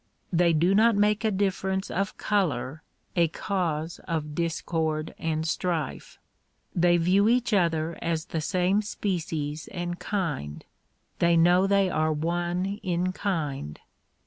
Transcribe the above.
They do not make difference of color a cause of discord and strife. They view each other as the same species and kind. They know they are one in kind.